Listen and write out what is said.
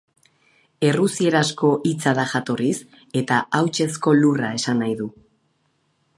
Errusierazko hitza da jatorriz eta hautsezko lurra esan nahi du.